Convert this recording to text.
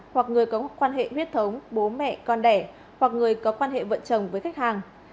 hoặc người có quan hệ huyết thống bố mẹ con đẻ hoặc người có quan hệ vợ chồng với khách hàng